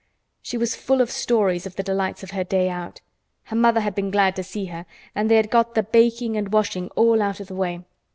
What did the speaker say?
She was full of stories of the delights of her day out. Her mother had been glad to see her and they had got the baking and washing all out of the way.